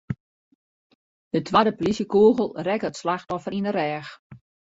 De twadde polysjekûgel rekke it slachtoffer yn 'e rêch.